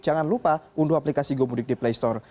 jangan lupa unduh aplikasi gomudik di playstore